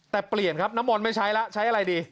แต่เปลี่ยนครับน้ำมนต์ไม่ใช้แล้วใช้อะไรดี